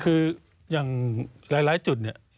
คืออย่างหลายจุดเนี่ย